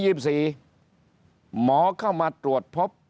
หมอก็มาตรวจพบ